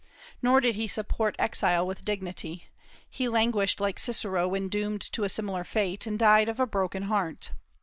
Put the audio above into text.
Nor did he support exile with dignity; he languished like Cicero when doomed to a similar fate, and died of a broken heart.